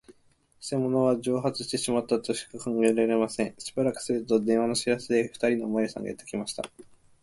くせ者は蒸発してしまったとしか考えられません。しばらくすると、電話の知らせで、ふたりのおまわりさんがやってきましたが、